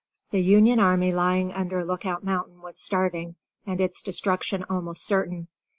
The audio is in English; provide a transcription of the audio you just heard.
The Union army lying under Lookout Mountain was starving and its destruction almost certain.